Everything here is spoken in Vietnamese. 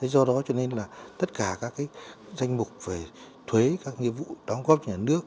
do đó cho nên là tất cả các danh mục về thuế các nhiệm vụ đóng góp nhà nước